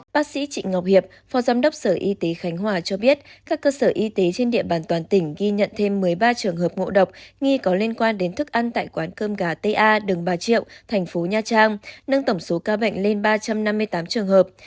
bác sĩ trịnh ngọc hiệp phó giám đốc sở y tế khánh hòa cho biết các cơ sở y tế trên địa bàn toàn tỉnh ghi nhận thêm một mươi ba trường hợp ngộ độc nghi có liên quan đến thức ăn tại quán cơm gà ta đường bà triệu thành phố nha trang nâng tổng số ca bệnh lên ba trăm năm mươi tám trường hợp